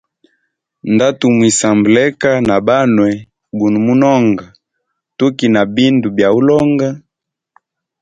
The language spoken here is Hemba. Ndatumwisamba leka na banwe guno mononga tukina bindu bya ulonga.